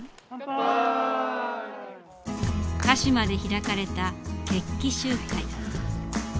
鹿嶋で開かれた決起集会。